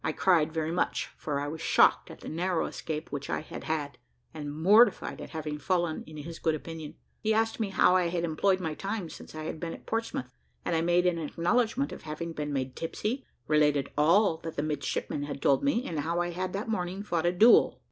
I cried very much, for I was shocked at the narrow escape which I had had, and mortified at having fallen in his good opinion. He asked me how I had employed my time since I had been at Portsmouth, and I made an acknowledgment of having been made tipsy, related all that the midshipmen had told me, and how I had that morning fought a duel.